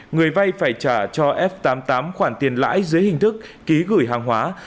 người vay phải trả cho f tám mươi tám khoản tiền lãi dưới hình thức ký gửi hàng hóa